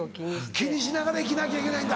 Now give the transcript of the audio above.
気にしながら生きなきゃいけないんだ。